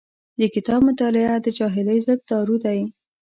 د کتاب مطالعه د جاهلۍ ضد دارو دی.